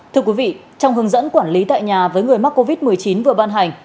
thưa quý vị trong hướng dẫn quản lý tại nhà với người mắc covid một mươi chín vừa ban hành